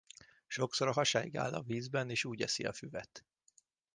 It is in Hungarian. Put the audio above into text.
Sokszor a hasáig áll a vízben és úgy eszi a füvet.